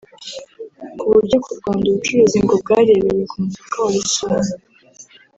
ku buryo ku Rwanda ubucuruzi ngo bwarebewe ku mupaka wa Rusumo